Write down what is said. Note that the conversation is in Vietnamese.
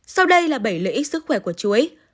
sau đây là bảy lợi ích sức khỏe của chuối